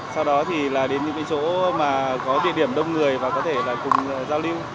sau đó thì là đến những cái chỗ mà có địa điểm đông người và có thể là cùng giao lưu